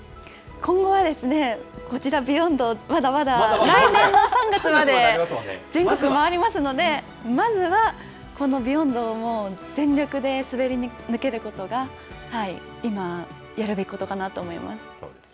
今後はですね、こちら、ビヨンド、まだまだ来年の３月まで、全国回りますので、まずはこのビヨンドをもう全力で滑り抜けることが、今、やるべきことかなと思います。